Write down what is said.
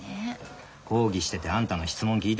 講義しててあんたの質問聞い